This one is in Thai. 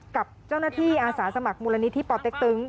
กับเจ้าหน้าที่อาสาสมัครมูลณีที่ปต